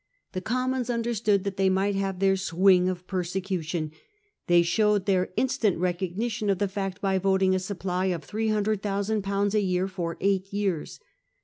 The Commons understood that they might have their swing of persecution. They showed their instant recognition of the fact by voting a supply of 300,000/. a year for eight years.